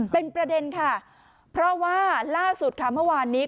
เป็นประเด็นค่ะเพราะว่าล่าสุดค่ะเมื่อวานนี้